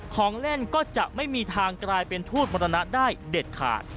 ของเล่นก็จะไม่มีทางกลายเป็นทูตมรณะได้เด็ดขาด